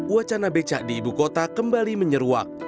wacana becak di ibu kota kembali menyeruak